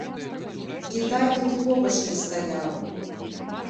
Кітай тут і побач не стаяў!